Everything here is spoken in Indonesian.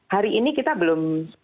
hari ini kita belum